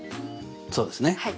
そうですね。